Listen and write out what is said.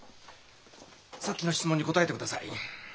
さっきの質問に答えてください。